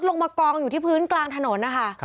มากองอยู่ที่พื้นกลางถนนนะคะ